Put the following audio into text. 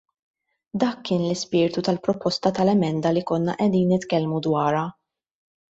Dak kien l-ispirtu tal-proposta tal-emenda li konna qegħdin nitkellmu dwarha.